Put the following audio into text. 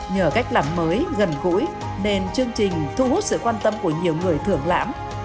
nhờ cách làm mới gần gũi nên chương trình thu hút sự quan tâm của nhiều người thưởng lãm